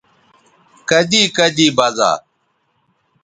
کدی کدی بزا